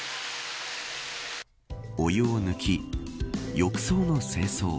お湯を抜き浴槽の清掃。